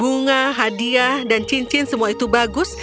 bunga hadiah dan cincin semua itu bagus